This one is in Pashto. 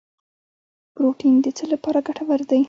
پروټین د څه لپاره ګټور دی